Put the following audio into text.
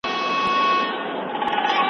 په مينه ښه پوهيدې مانه هم هوښياره وې ته